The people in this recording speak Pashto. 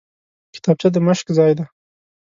کتابچه د مشق ځای دی